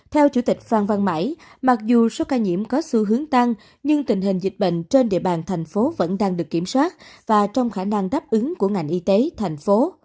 theo chủ tịch phan văn mãi mặc dù số ca nhiễm có xu hướng tăng nhưng tình hình dịch bệnh trên địa bàn thành phố vẫn đang được kiểm soát và trong khả năng đáp ứng của ngành y tế thành phố